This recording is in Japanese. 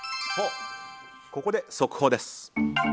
ここで速報です。